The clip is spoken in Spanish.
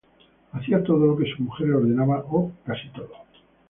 Hacía todo lo que su mujer le ordenaba o casi todo.